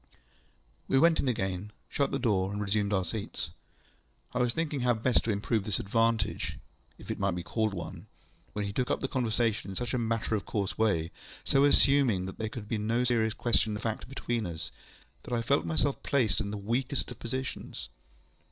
We went in again, shut the door, and resumed our seats. I was thinking how best to improve this advantage, if it might be called one, when he took up the conversation in such a matter of course way, so assuming that there could be no serious question of fact between us, that I felt myself placed in the weakest of positions.